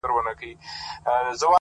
• زه پوهېږم په دوږخ کي صوبه دار دئ,